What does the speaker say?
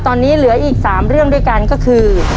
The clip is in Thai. ตอนนี้เหลืออีก๓เรื่องด้วยกันก็คือ